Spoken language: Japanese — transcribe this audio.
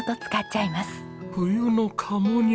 冬の鴨肉！